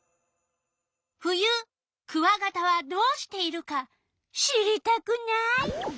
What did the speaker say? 冬クワガタはどうしているか知りたくない？